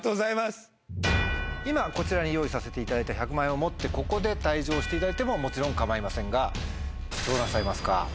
今こちらに用意させていただいた１００万円を持ってここで退場していただいてももちろん構いませんがどうなさいますか？